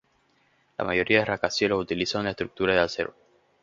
La mayoría de rascacielos utilizan una estructura de acero.